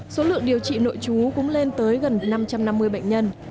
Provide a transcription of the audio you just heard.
số lượng điều trị nội trú cũng lên tới gần năm trăm năm mươi bệnh nhân